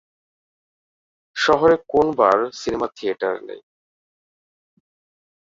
শহরে কোন bar, cinema theatre নেই।